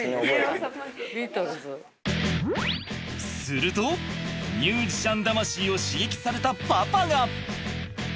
するとミュージシャン魂を刺激されたパパが。